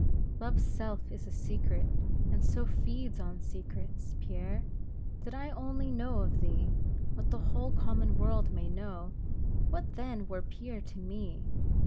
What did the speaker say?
Love's self is a secret, and so feeds on secrets, Pierre. Did I only know of thee, what the whole common world may know what then were Pierre to me?